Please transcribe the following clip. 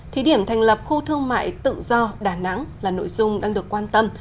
thí điểm thành lập khu thương mại tự do đà nẵng là nội dung đang được quan tâm